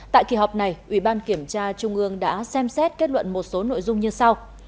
tại kỳ họp này ủy ban kiểm tra trung ương đã xem xét kết luận một số nội dung như sau